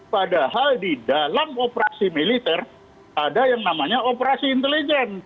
padahal di dalam operasi militer ada yang namanya operasi intelijen